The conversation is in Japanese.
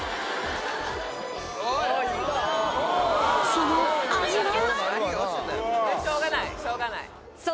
その味は？